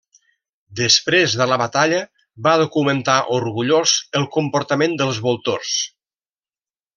Després de la batalla, va documentar orgullós el comportament dels voltors.